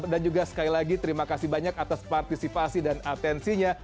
dan juga sekali lagi terima kasih banyak atas partisipasi dan atensinya